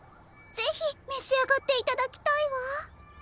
ぜひめしあがっていただきたいわ。